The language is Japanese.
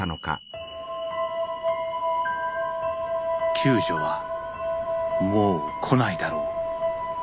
救助はもう来ないだろう。